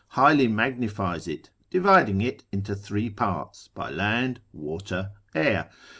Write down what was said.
highly magnifies it, dividing it into three parts, by land, water, air.